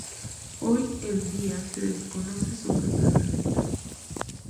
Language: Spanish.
Hoy en día se desconoce su emplazamiento.